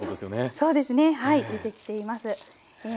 そうですねはい出てきています。